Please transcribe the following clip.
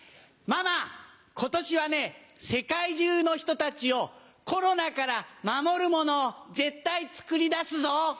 ママ今年はね世界中の人たちをコロナから守るものを絶対作り出すぞ。